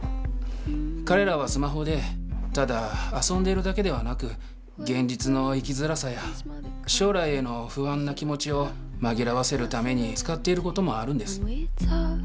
彼らはスマホでただ遊んでいるだけではなく現実の生きづらさや将来への不安な気持ちを紛らわせるために使っていることもあるんです。